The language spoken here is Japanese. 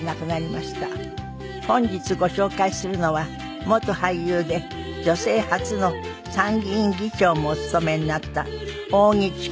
本日ご紹介するのは元俳優で女性初の参議院議長もお務めになった扇千景さん。